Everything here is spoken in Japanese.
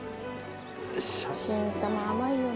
新玉甘いよね。